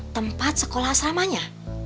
tempat sekolah asramanya